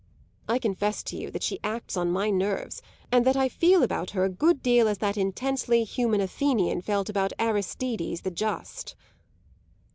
I confess to you that she acts on my nerves and that I feel about her a good deal as that intensely human Athenian felt about Aristides the Just."